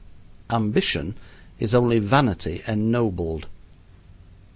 Ambition is only vanity ennobled.